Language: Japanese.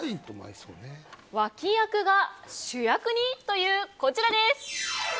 脇役が主役に？というこちらです。